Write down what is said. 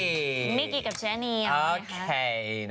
มีกิกับเจนี่เอาเลยค่ะ